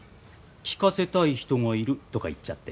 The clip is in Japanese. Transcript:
聴かせたい人がいるとか言っちゃって。